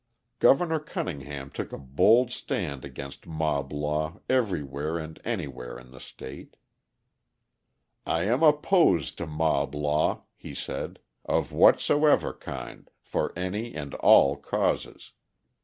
Governor Cunningham took a bold stand against mob law everywhere and anywhere in the state: "I am opposed to mob law," he said, "of whatsoever kind, for any and all causes.